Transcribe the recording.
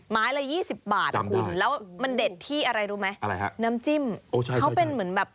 ไม้ละ๒๐บาทคุณแล้วมันเด็ดที่อะไรรู้ไหมน้ำจิ้มเขาเป็นเหมือนแบบ